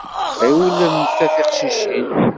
Ɣiwlemt a tiqcicin.